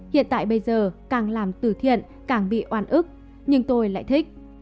hiện tại bây giờ càng làm từ thiện càng bị oan ức nhưng tôi lại thích